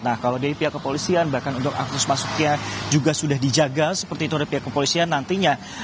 nah kalau dari pihak kepolisian bahkan untuk akses masuknya juga sudah dijaga seperti itu oleh pihak kepolisian nantinya